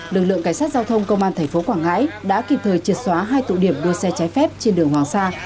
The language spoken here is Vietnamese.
lực lượng cảnh sát giao thông công an tp quảng ngãi đã kịp thời triệt xóa hai tụ điểm đua xe trái phép trên đường hoàng sa